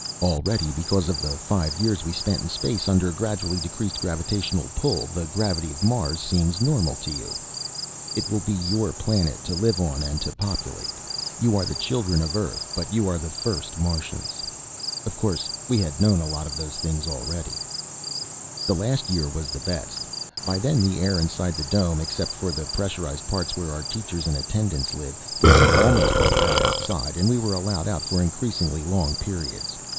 Already, because of the five years we spent in space under gradually decreased gravitational pull, the gravity of Mars seems normal to you. "It will be your planet, to live on and to populate. You are the children of Earth but you are the first Martians." Of course we had known a lot of those things already. The last year was the best. By then the air inside the dome except for the pressurized parts where our teachers and attendants live was almost like that outside, and we were allowed out for increasingly long periods.